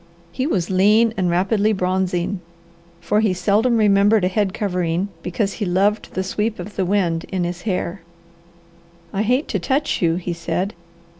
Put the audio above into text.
He was lean and rapidly bronzing, for he seldom remembered a head covering because he loved the sweep of the wind in his hair. "I hate to touch you," he said.